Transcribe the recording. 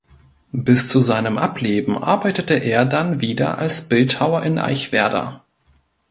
Bis zu seinem Ableben arbeitete er dann wieder als Bildhauer in Eichwerder.